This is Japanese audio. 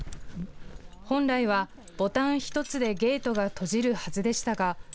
本来はボタン１つでゲートが閉じるはずでしたが。